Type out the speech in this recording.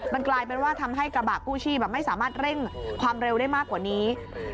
มันกลายเป็นว่าทำให้กระบะกู้ชีพไม่สามารถเร่งความเร็วได้มากกว่านี้